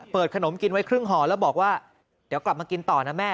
ขนมกินไว้ครึ่งห่อแล้วบอกว่าเดี๋ยวกลับมากินต่อนะแม่